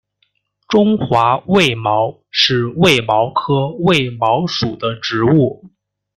中华卫矛是卫矛科卫矛属的植物。